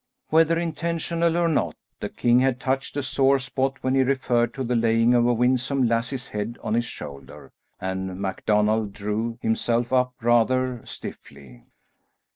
Whether intentional or not, the king had touched a sore spot when he referred to the laying of a winsome lassie's head on his shoulder, and MacDonald drew himself up rather stiffly.